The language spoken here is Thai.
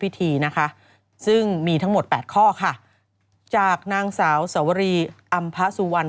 พิธีนะคะซึ่งมีทั้งหมด๘ข้อค่ะจากนางสาวสวรีอำภาสุวรรณ